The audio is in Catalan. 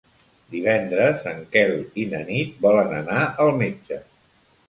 Divendres en Quel i na Nit volen anar al metge.